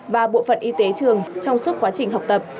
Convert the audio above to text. và bộ phận y tế trường trong suốt quá trình học tập